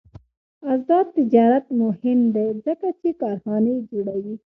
آزاد تجارت مهم دی ځکه چې کارخانې جوړوي.